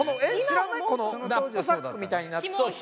ナップサックみたいになってる。